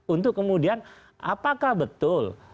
untuk kemudian apakah betul